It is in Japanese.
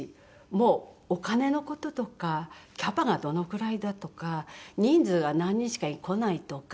もうお金の事とかキャパがどのくらいだとか人数が何人しか来ないとか。